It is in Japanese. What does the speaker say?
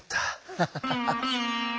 ハハハハッ。